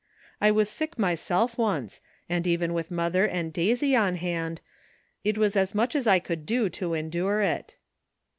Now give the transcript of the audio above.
I was sick myself once, and even with mother and Daisy on hand it was as much as I could do to endure it."